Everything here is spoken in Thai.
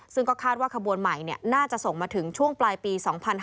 ซึ่งก็คาดว่าขบวนใหม่น่าจะส่งมาถึงช่วงปลายปี๒๕๕๙